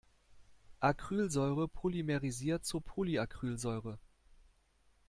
Acrylsäure polymerisiert zu Polyacrylsäure.